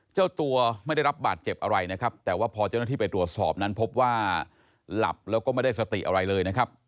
เจ้าตัวไม่ได้รับบาดเจ็บอะไรนะครับแต่ว่าพอเจ้าหน้าที่ไปตรวจสอบนั้นพบว่าหลับแล้วก็ไม่ได้สติอะไรเลยนะครับ